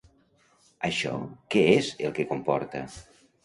Això què és el que comporta?